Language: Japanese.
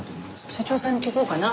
社長さんに聞こうかな。